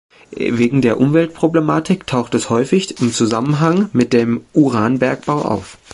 Wegen der Umweltproblematik taucht es häufig im Zusammenhang mit dem Uranbergbau auf.